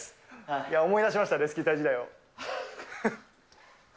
いや、思い出しました、レスキュー隊時代を。